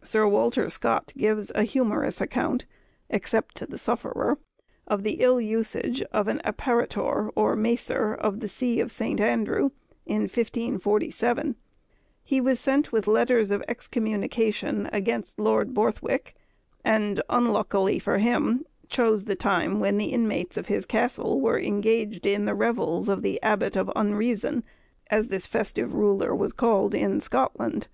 Sir Walter Scott gives a humorous account (except to the sufferer) of the ill usage of an apparitor, or macer, of the see of St. Andrew, in 1547. He was sent with letters of excommunication against Lord Borthwick, and, unluckily for him, chose the time when the inmates of his castle were engaged in the revels of the Abbot of Unreason, as this festive ruler was called in Scotland.